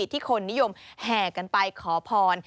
ที่คนนิยมแห่กันไปขอพร